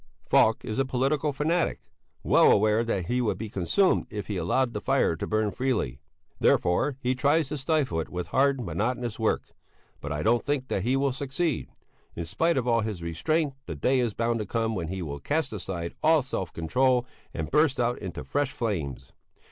Falk is a political fanatic, well aware that he would be consumed if he allowed the fire to burn freely; therefore he tries to stifle it with hard, monotonous work; but I don't think that he will succeed; in spite of all his restraint the day is bound to come when he will cast aside all self control and burst out into fresh flames.